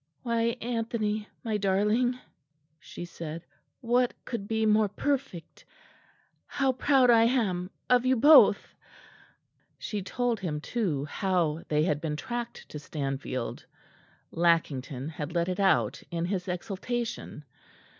"Why, Anthony, my darling," she said, "what could be more perfect? How proud I am of you both!" She told him, too, how they had been tracked to Stanfield Lackington had let it out in his exultation.